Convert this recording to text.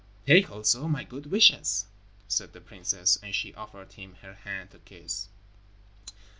"Take also my good wishes," said the princess, and she offered him her hand to kiss.